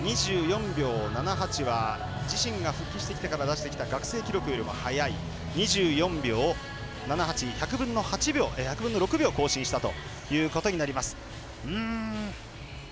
２４秒７８は自身が復帰してきてから出してきた学生記録よりも速い２４秒７８に１００分の６秒更新したということになります。